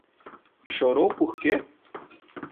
Chorou por quê?